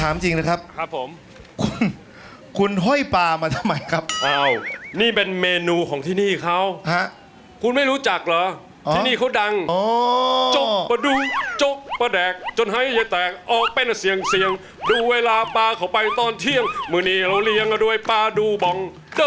เมื่อนี้เราเรียงกันด้วยปาดู่บ่อง